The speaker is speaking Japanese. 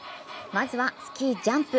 まずは、スキージャンプ。